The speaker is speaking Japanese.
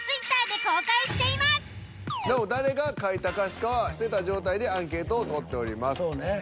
なお誰が書いた歌詞かは伏せた状態でアンケートを取っております。